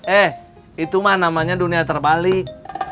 eh itu mah namanya dunia terbalik